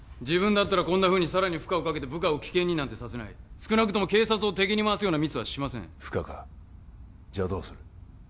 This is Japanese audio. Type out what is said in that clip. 自分だったらこんなふうにさらに負荷をかけて部下を危険になんてさせない少なくとも警察を敵に回すようなミスはしません負荷かじゃあどうする？